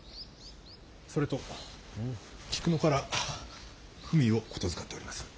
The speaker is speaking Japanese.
それと菊野から文を言づかっております。